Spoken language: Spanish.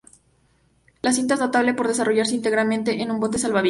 La cinta es notable por desarrollarse íntegramente en un bote salvavidas.